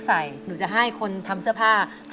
อเรนนี่คือเหตุการณ์เริ่มต้นหลอนช่วงแรกแล้วมีอะไรอีก